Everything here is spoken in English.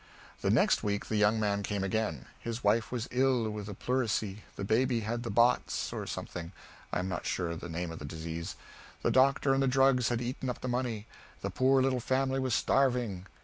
The next week the young man came again. His wife was ill with the pleurisy, the baby had the bots, or something, I am not sure of the name of the disease; the doctor and the drugs had eaten up the money, the poor little family was starving.